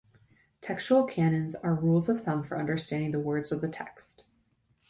Textual canons are rules of thumb for understanding the words of the text.